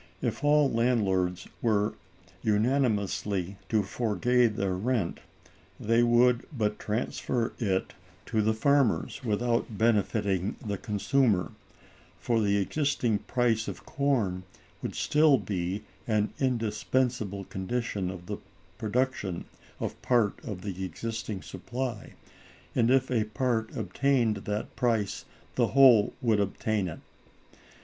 If all landlords were unanimously to forego their rent, they would but transfer it to the farmers, without benefiting the consumer; for the existing price of corn would still be an indispensable condition of the production of part of the existing supply, and if a part obtained that price the whole would obtain it.